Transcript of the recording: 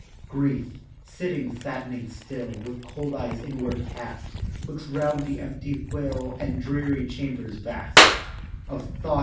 Grief, sitting sad'ning still With cold eyes inward cast, Looks round the empty will And dreary chambers vast Of thought.